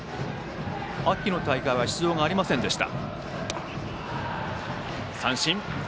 秋の大会は出場ありませんでした。